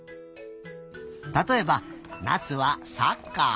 たとえばなつはサッカー。